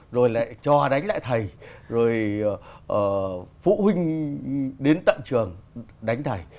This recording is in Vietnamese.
rồi lại cho đánh lại thầy rồi phụ huynh đến tận trường đánh thầy